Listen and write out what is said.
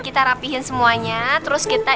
kita rapihin semuanya terus kita